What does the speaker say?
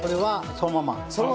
そのまま！